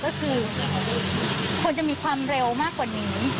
ก็คือคนจะมีความเร็วมากกว่านี้